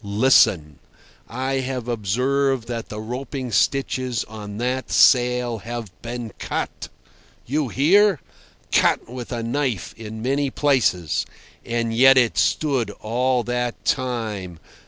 Listen: I have observed that the roping stitches on that sail have been cut! You hear? Cut with a knife in many places. And yet it stood all that time.